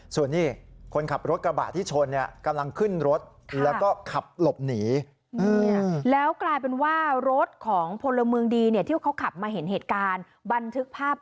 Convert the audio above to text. ส่วนนี้คนขับรถกระบะที่ชนเนี่ยกำลังขึ้นรถ